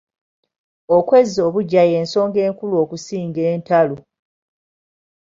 Okwezza obuggya y’ensonga enkulu okusinga entalo.